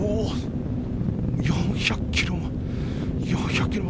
４００キロ。